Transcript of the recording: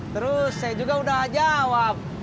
terus saya juga udah jawab